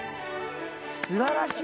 すばらしい！